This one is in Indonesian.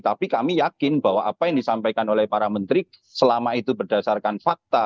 tapi kami yakin bahwa apa yang disampaikan oleh para menteri selama itu berdasarkan fakta